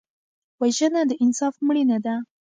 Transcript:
وژنه د انصاف مړینه ده